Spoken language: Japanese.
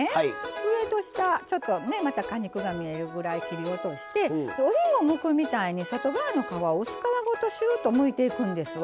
上と下、ちょっとまた果肉が見えるくらい切り落としておりんごをむくみたいに外側の薄皮をしゅーっとむいていくんですわ。